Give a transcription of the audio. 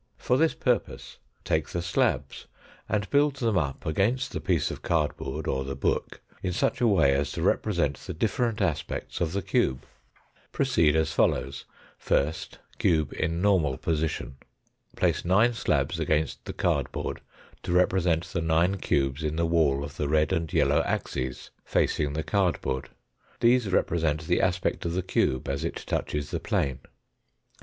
For this purpose take the slabs, and build them up against the piece of cardboard, or the book in such a way as to represent the different aspects of the cube. Proceed as follows : First, cube in normal position. Place nine slabs against the cardboard to represent the nine cubes in the wall of the red and yellow axes, facing the cardboard ; these represent the aspect of the cube as it touches the plane.